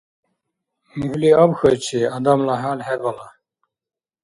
МухӀли абхьайчи, адамла хӀял хӀебала.